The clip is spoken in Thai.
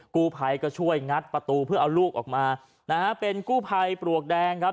กู้ภัยก็ช่วยงัดประตูเพื่อเอาลูกออกมานะฮะเป็นกู้ภัยปลวกแดงครับ